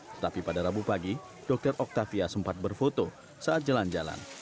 tetapi pada rabu pagi dokter octavia sempat berfoto saat jalan jalan